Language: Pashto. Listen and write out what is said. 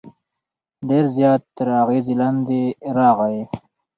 ډېر زیات تر اغېز لاندې راغی.